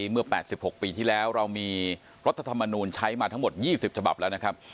เมื่อแปดสิบหกปีที่แล้วเรามีรัฐธรรมนูญใช้มาทั้งหมดยี่สิบฉบับแล้วนะครับ